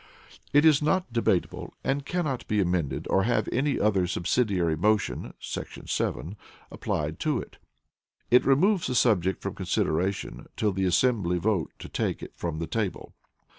It is not debatable, and cannot be amended or have any other subsidiary motion [§ 7] applied to it. It removes the subject from consideration till the assembly vote to take it from the table.